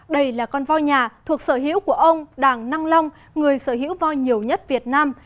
đây là con voi nhà thuộc sở hữu của ông đảng năng long người sở hữu voi nhiều nhất việt nam